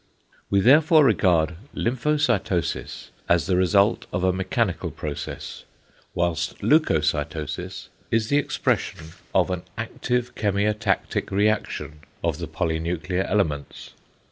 We therefore regard =lymphocytosis= as the result of a =mechanical= process; whilst =leucocytosis= is the expression of =an active chemiotactic reaction= of the polynuclear elements.